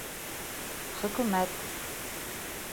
Хөкүмәт.